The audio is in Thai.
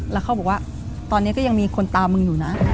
แล้วเขาบอกว่าตอนนี้ก็ยังมีคนตามมึงอยู่นะ